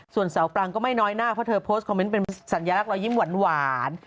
ส่วนเสาปรังก็ไม่น้อยหน้าเพราะเธอโพสต์คอมเมนต์เป็นสัญลักษรอยยิ้มหวาน